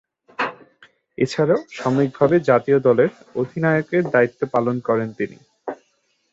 এছাড়াও সাময়িকভাবে জাতীয় দলের অধিনায়কের দায়িত্ব পালন করেন তিনি।